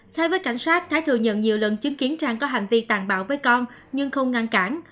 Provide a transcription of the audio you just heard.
khai với cảnh sát thái thừa nhận nhiều lần chứng kiến trang có hành vi tàn bạo với con nhưng không ngăn cản